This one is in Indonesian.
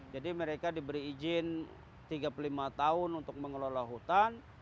jadi mereka diberi izin tiga puluh lima tahun untuk mengelola hutan